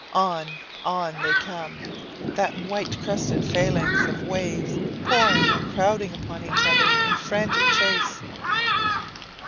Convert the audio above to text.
On, on they come that white crested phalanx of waves pouring and crowding upon each other in frantic chase!